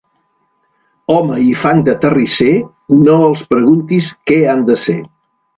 Home i fang de terrisser, no els preguntis què han de ser.